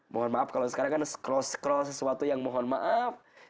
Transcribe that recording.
mohon maaf kalau sekarang kan scroll scroll sesuatu yang mohon maaf